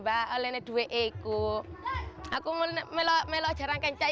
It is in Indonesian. jatanya itu sudah agar membantu menginginkannya